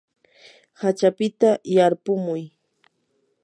hachapita yarpumuy.